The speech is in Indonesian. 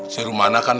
si rumana kan